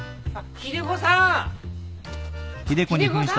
・秀子さん！